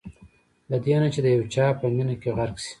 له دې نه چې د یو چا په مینه کې غرق شئ.